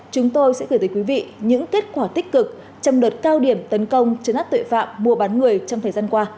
chúng tôi sẽ gửi tới quý vị những kết quả tích cực trong đợt cao điểm tấn công chấn áp tuệ phạm mua bán người trong thời gian qua